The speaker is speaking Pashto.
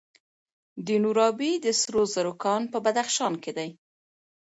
د نورابې د سرو زرو کان په بدخشان کې دی.